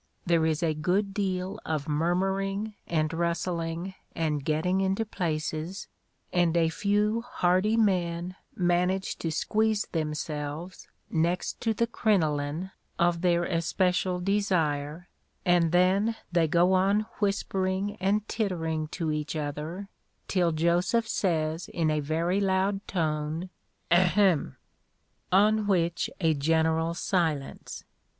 There is a good deal of murmuring and rustling and getting into places, and a few hardy men manage to squeeze themselves next the crinoline of their especial desire, and then they go on whispering and tittering to each other, till Joseph says in a very loud tone Ahem! On which a general silence.